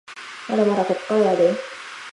まだまだこっからやでぇ